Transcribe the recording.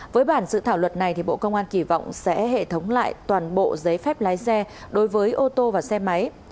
với bản dự thảo luật này bộ công an kỳ vọng sẽ hệ thống lại toàn bộ giấy phép lái xe đối với ô tô và xe máy